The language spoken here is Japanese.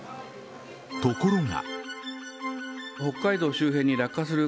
ところが。